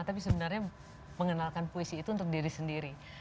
tapi sebenarnya mengenalkan puisi itu untuk diri sendiri